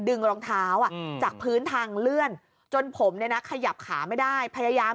รองเท้าจากพื้นทางเลื่อนจนผมเนี่ยนะขยับขาไม่ได้พยายาม